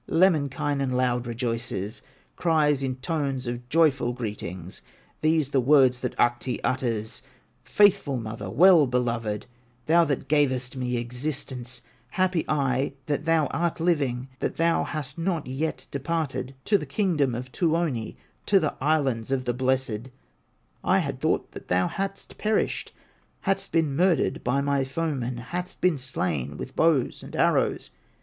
Lemminkainen loud rejoices, Cries in tones of joyful greetings, These the words that Ahti utters: "Faithful mother, well beloved, Thou that gavest me existence, Happy I, that thou art living, That thou hast not yet departed To the kingdom of Tuoni, To the islands of the blessed, I had thought that thou hadst perished, Hadst been murdered by my foemen, Hadst been slain with bows and arrows.